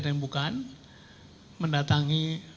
ada yang bukan mendatangi